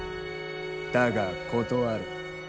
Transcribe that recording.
だが、断る。